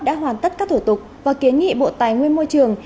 đã hoàn tất các thủ tục và kiến nghị bộ tài nguyên môi trường